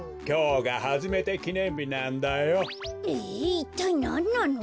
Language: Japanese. いったいなんなの？